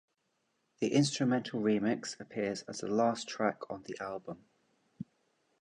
The instrumental remix appears as the last track on the album.